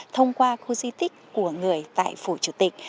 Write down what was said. thông qua khu di tích của người tại phủ chủ tịch